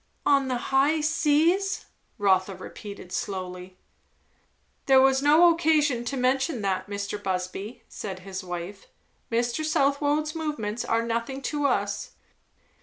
"On the high seas!" Rotha repeated slowly. "There was no occasion to mention that, Mr. Busby," said his wife. "Mr. Southwode's movements are nothing to us."